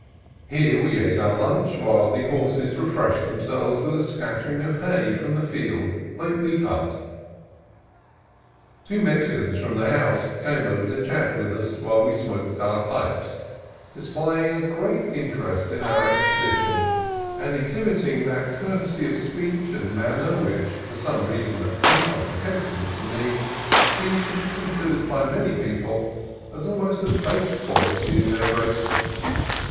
Here we ate our lunch while the horses re freshed themselves with a scattering of hay from the field, lately cut. Two Mexicans from the house came over to chat with us while we smoked our pipes, displaying great interest in our expedition, and ex FRIENDLY MEXICANS 9 hi biting that courtesy of speech and manner which, for some reason incomprehensible to me, seems to be considered by many people as almost a base quality in their race.